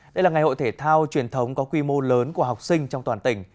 đây là ngày hội thể thao truyền thống có quy mô lớn của học sinh trong toàn tỉnh